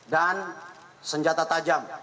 dan senjata tajam